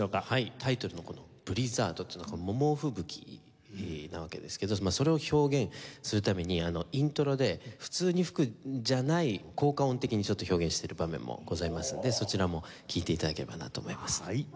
タイトルのこの『ＢＬＩＺＺＡＲＤ』というのは「猛吹雪」なわけですけどそれを表現するためにイントロで普通に吹くじゃない効果音的にちょっと表現している場面もございますのでそちらも聴いて頂ければなと思います。